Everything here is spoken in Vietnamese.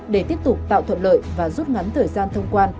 để tiếp tục tạo thuận lợi và rút ngắn thời gian thông quan